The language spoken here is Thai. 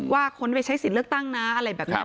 ว่าคนได้ไปใช้สินเลือกตั้งนะอะไรแบบนั้น